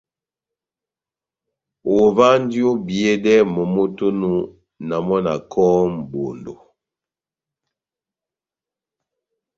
Ová ondi obiyedɛ momó tɛ́h onu, na mɔ́ na kɔ́hɔ́ mʼbondo.